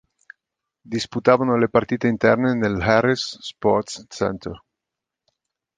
Disputavano le partite interne nell'Harris Sports Centre.